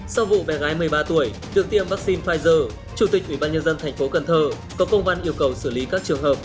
sau vụ bé gái một mươi ba tuổi được tiêm vaccine pfizer chủ tịch ủy ban nhân dân tp cn có công văn yêu cầu xử lý các trường hợp